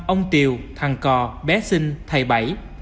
ông tiều thằng cò bé sinh thầy bảy